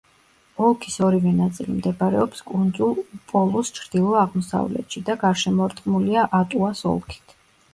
ოლქის ორივე ნაწილი მდებარეობს კუნძულ უპოლუს ჩრდილო-აღმოსავლეთში და გარშემორტყმულია ატუას ოლქით.